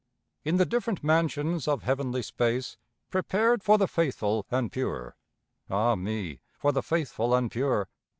In the different mansions of heavenly space Prepared for the faithful and pure, (Ah me, for the faithful and pure!)